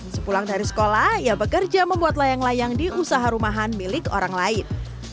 sepulang dari sekolah ia bekerja membuat layang layang di usaha rumahan milik orang lain